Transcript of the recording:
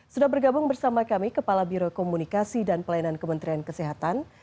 sudah bergabung bersama kami kepala biro komunikasi dan pelayanan kementerian kesehatan